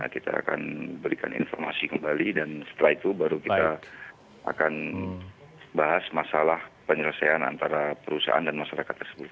kita akan berikan informasi kembali dan setelah itu baru kita akan bahas masalah penyelesaian antara perusahaan dan masyarakat tersebut